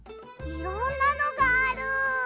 いろんなのがある。